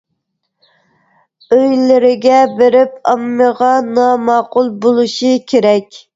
ئۆيلىرىگە بېرىپ ئاممىغا ناماقۇل بولۇشى كېرەك.